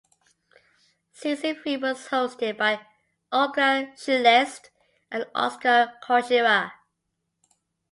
Season three was hosted by Olga Shelest and Oskar Kuchera.